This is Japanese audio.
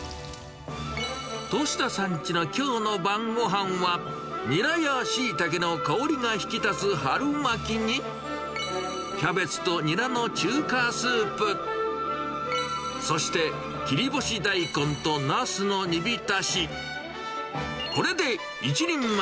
利田さんちのきょうの晩ごはんは、ニラやシイタケの香りが引き立つ春巻きに、キャベツとニラの中華スープ、そして切り干し大根とナスの煮浸し。